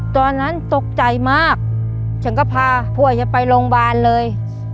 ตอนนั้นตกใจมากฉันก็พาพวกฉันไปโรงพยาบาลเลย